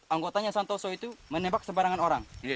anggotanya santoso itu menembak sebarangan orang